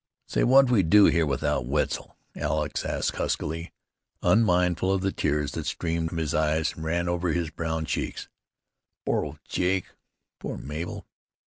"Say, what'd we do here without Wetzel?" Alex said huskily, unmindful of the tears that streamed from his eyes and ran over his brown cheeks. "Poor old Jake! Poor Mabel!